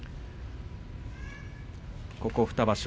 ここ２場所